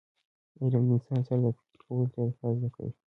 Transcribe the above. علم د انسان سره د فکر کولو طریقه زده کوي.